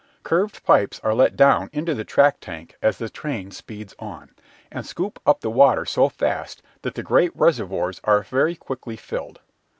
Curved pipes are let down into the track tank as the train speeds on, and scoop up the water so fast that the great reservoirs are very quickly filled.